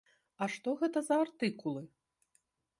А што гэта за артыкулы?